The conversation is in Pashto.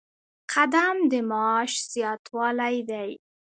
قدم د معاش زیاتوالی دی